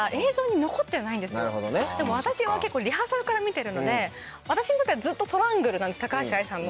でも私はリハーサルから見てるので私にとってはずっとソロアングルなんです高橋愛さんの。